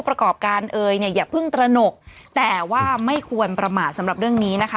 ประกอบการเอยเนี่ยอย่าเพิ่งตระหนกแต่ว่าไม่ควรประมาทสำหรับเรื่องนี้นะคะ